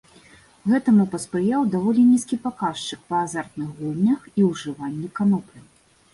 Гэтаму паспрыяў даволі нізкі паказчык па азартных гульнях і ўжыванні канопляў.